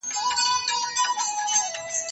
ته ولي انځورونه رسم کوې،